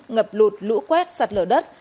ngập lụt lũ quét sạt lở đất